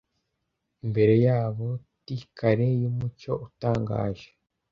imbere yabo t-kare yumucyo utangaje